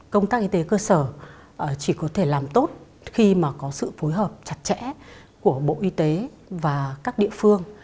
công tác y tế cơ sở chỉ có thể làm tốt khi mà có sự phối hợp chặt chẽ của bộ y tế và các địa phương